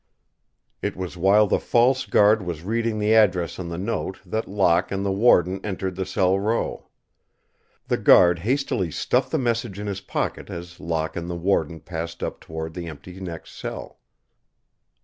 It was while the false guard was reading the address on the note that Locke and the warden entered the cell row. The guard hastily stuffed the message in his pocket as Locke and the warden passed up toward the empty next cell.